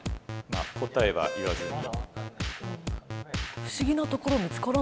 答えは言わずに。